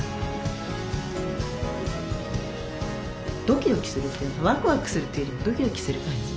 ドキドキするというかワクワクするっていうよりもドキドキする感じ。